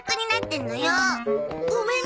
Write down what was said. ごめんね。